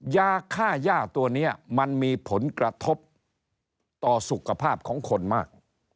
ยาค่าย่าตัวนี้มันมีผลกระทบต่อสุขภาพของคนมาก